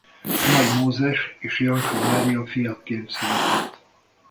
Nagy Mózes és Jancsó Mária fiaként született.